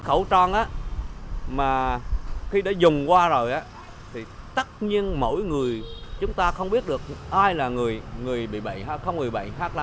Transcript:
khẩu trang mà khi đã dùng qua rồi thì tất nhiên mỗi người chúng ta không biết được ai là người bị bệnh hay không bị bệnh